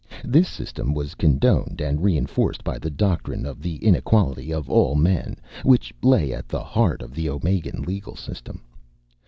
This system was condoned and reinforced by the doctrine of the inequality of all men, which lay at the heart of the Omegan legal system.